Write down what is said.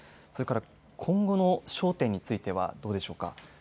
今後の焦点についてはどうでしょうか。